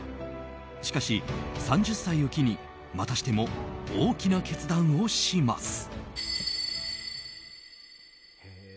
しかし、３０歳を機にまたしても大きな決断をします。